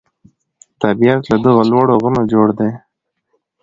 طبیعت له دغو لوړو غرونو جوړ دی.